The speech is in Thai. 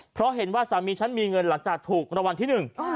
เพราะเห็นว่าสามีฉันมีเงินหลังจากถูกรางวัลที่หนึ่ง